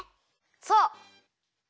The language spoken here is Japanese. そう！